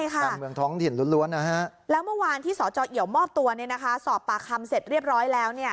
การเมืองท้องถิ่นล้วนแล้วเมื่อวานที่สจเอียวมอบตัวสอบปากคำเสร็จเรียบร้อยแล้ว